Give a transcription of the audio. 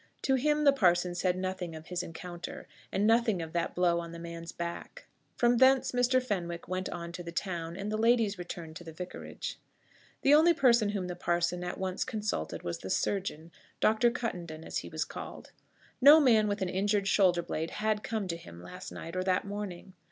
To him the parson said nothing of his encounter, and nothing of that blow on the man's back. From thence Mr. Fenwick went on to the town, and the ladies returned to the Vicarage. The only person whom the parson at once consulted was the surgeon, Dr. Cuttenden, as he was called. No man with an injured shoulder blade had come to him last night or that morning.